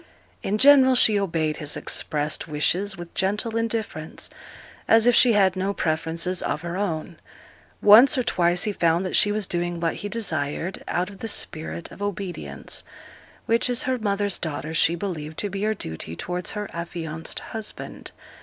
In general she obeyed his expressed wishes with gentle indifference, as if she had no preferences of her own; once or twice he found that she was doing what he desired out of the spirit of obedience, which, as her mother's daughter, she believed to be her duty towards her affianced husband.